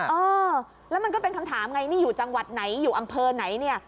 เออแล้วมันก็เป็นคำถามไงนี่อยู่จังหวัดไหนอยู่อำเภอไหนเนี่ย